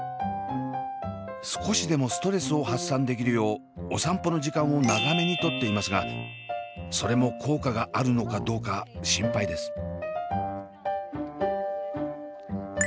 少しでもストレスを発散できるようお散歩の時間を長めに取っていますがそれも効果があるのかどうか心配です。